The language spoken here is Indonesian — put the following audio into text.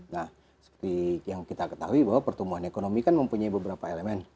nah seperti yang kita ketahui bahwa pertumbuhan ekonomi kan mempunyai beberapa elemen